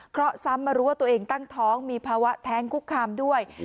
เพราะซ้ำมารู้ว่าตัวเองตั้งท้องมีภาวะแท้งคุกคามด้วย